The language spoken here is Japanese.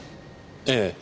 ええ。